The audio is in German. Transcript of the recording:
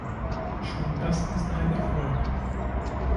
Schon das ist ein Erfolg.